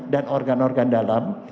dan organ organ dalam